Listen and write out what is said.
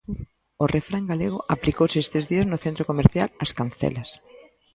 O refrán galego aplicouse estes días no centro comercial As Cancelas.